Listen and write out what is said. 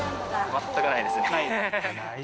全くないですね。